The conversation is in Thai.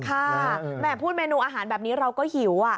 แหมพูดเมนูอาหารแบบนี้เราก็หิว